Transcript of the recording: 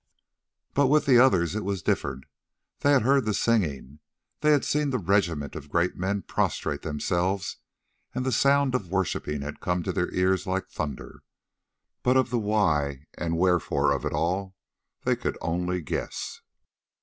But with the others it was different: they had heard the singing, they had seen the regiment of great men prostrate themselves, and the sound of worshipping had come to their ears like thunder; but of the why and wherefore of it all they could only guess.